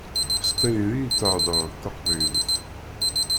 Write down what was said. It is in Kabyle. S tayri i theddṛeḍ taqbaylit.